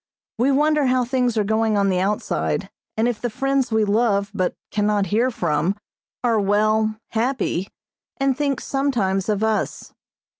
We wonder how things are going on the outside and if the friends we love but cannot hear from are well, happy, and think sometimes of us.